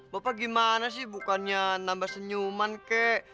bapak gimana sih bukannya nambah senyuman kek